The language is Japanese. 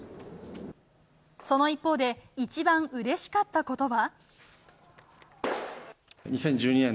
その一方で一番うれしかったことは。